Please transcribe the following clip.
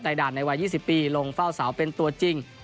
ด่านในวัย๒๐ปีลงเฝ้าเสาเป็นตัวจริง